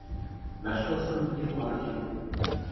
Našel jsem v něm ale chybu.